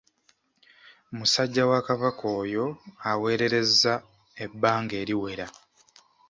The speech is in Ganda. Musajja wa Kabaka oyo aweererezza ebbanga eriwera.